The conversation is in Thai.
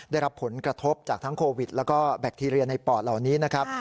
ได้รับผลกระทบจากทั้งโควิดแล้วก็แบคทีเรียในปอดเหล่านี้นะครับ